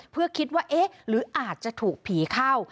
เพื่อคิดว่าเอ๊ะหรืออาจจะถูกผีเข้า